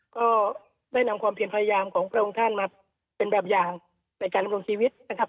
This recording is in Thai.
ก็ได้นำความเพียงพยายามของพระองค์ท่านมาเป็นแบบอย่างในการดำรงชีวิตนะครับ